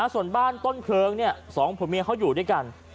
ส่วนบ้านต้นเพลิงสองผัวเมียเขาอยู่ด้วยกัน